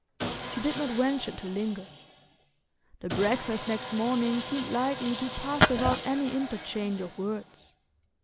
She did not venture to linger. The breakfast next morning seemed likely to pass without any interchange of words.